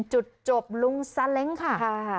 จุดจบลุงซาเล้งค่ะ